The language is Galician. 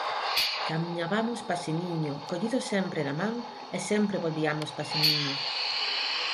Camiñabamos paseniño, collidos sempre da man, e sempre volviamos paseniño